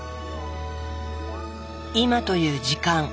「今という時間」